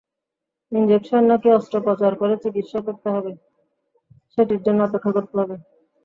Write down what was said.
Injection নাকি অস্ত্রোপচার করে চিকিৎসা করতে হবে, সেটির জন্য অপেক্ষা করতে হবে।